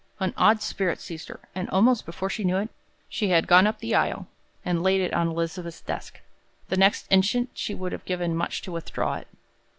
An odd spirit seized her, and almost before she knew it, she had gone up the aisle, and laid it on Elizabeth's desk. The next instant she would have given much to withdraw it.